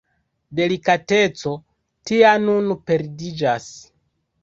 Delikateco tia nun perdiĝas.